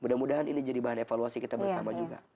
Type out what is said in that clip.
mudah mudahan ini jadi bahan evaluasi kita bersama juga